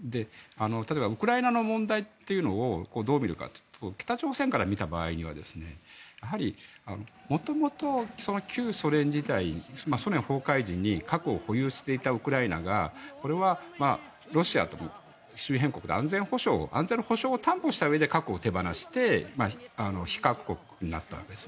例えばウクライナの問題というのをどう見るかというと北朝鮮から見た場合にはやはり、元々旧ソ連時代ソ連崩壊時に核を保有していたウクライナがこれはロシアと周辺国で安全保障安全の保障を担保したうえで核を手放して非核国になったわけです。